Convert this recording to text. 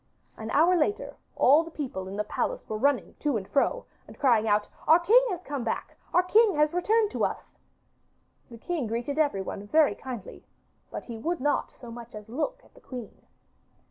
An hour later all the people in the palace were running to and fro and crying out: 'Our king has come back! Our king has returned to us.' The king greeted every one very kindly, but he would not so much as look at the queen.